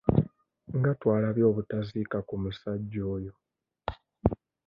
Nga twalabye obutaziika ku musajja oyo.